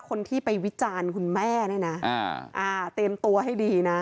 คนที่ไปวิจารณ์คุณแม่นู้นอาเต็มตัวให้ดีน่ะ